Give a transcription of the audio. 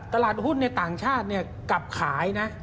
ตลาดหุ้นในต่างชาติกลับขายนะ